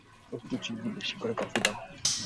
একটু চিনি বেশী করে কফি দাও।